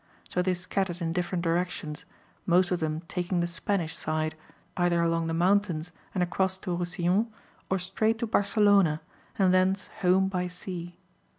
So they scattered in different directions, most of them taking the Spanish side, either along the mountains and across to Roussillon or straight to Barcelona, and thence home by sea.